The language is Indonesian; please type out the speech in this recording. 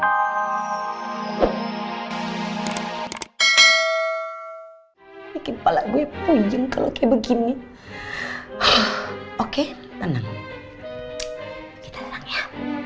bikin kepala gue puyeng kalau kayak begini oke tenang tenang ya